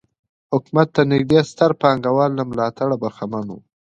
حکومت ته نږدې ستر پانګوال له ملاتړه برخمن وو.